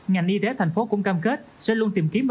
ngành y tế thành phố cũng cam kết sẽ luôn